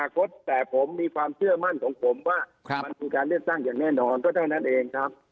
ก็แหละนั้นครับ